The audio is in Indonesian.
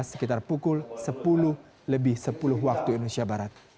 sekitar pukul sepuluh lebih sepuluh wib